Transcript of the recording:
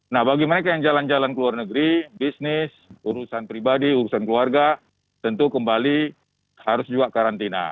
nah bagi mereka yang jalan jalan ke luar negeri bisnis urusan pribadi urusan keluarga tentu kembali harus juga karantina